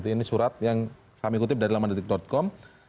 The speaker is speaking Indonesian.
ini surat yang kami kutip dari lamandetik com